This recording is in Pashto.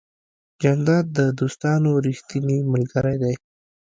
جانداد د دوستانو ریښتینی ملګری دی.